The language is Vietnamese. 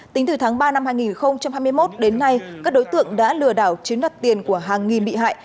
tính từ tháng ba năm hai nghìn hai mươi một đến nay các đối tượng đã lừa đảo chiếm đặt tiền của hàng nghìn bị hại